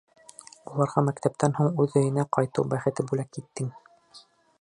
Уларға мәктәптән һуң үҙ өйөнә ҡайтыу бәхете бүләк иттең.